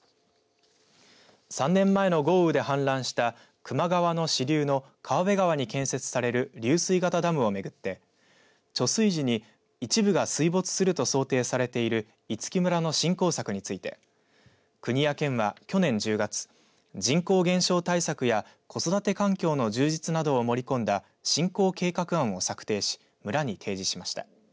３年前の豪雨で氾濫した球磨川の支流の川辺川に建設される流水型ダムを巡って貯水時に一部が水没すると想定されている五木村の振興策について国や県は去年１０月人口減少対策や、子育て環境の充実などを盛り込んだ振興計画案を策定し村に提示しました。